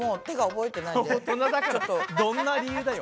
どんな理由だよ。